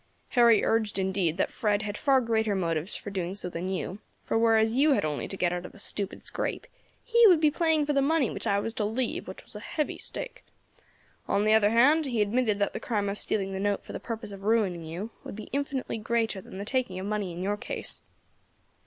Harry urged indeed that Fred had far greater motives for doing so than you; for whereas you had only to get out of a stupid scrape, he would be playing for the money which I was to leave, which was a heavy stake. On the other hand, he admitted that the crime of stealing the note for the purpose of ruining you would be infinitely greater than the taking of money in your case.